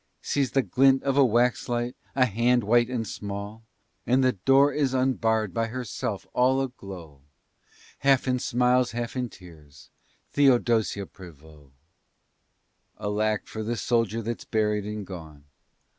Sees the glint of a waxlight, a hand white and small, And the door is unbarred by herself all aglow Half in smiles, half in tears Theodosia Prevost. Alack for the soldier that's buried and gone!